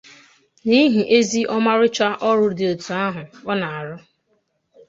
n'ihi ezi ọmarịcha ọrụ dị etu ahụ ọ na-arụ